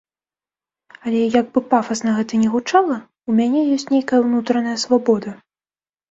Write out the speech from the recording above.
Але, як бы пафасна гэта ні гучала, у мяне ёсць нейкая ўнутраная свабода.